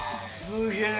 すげえ！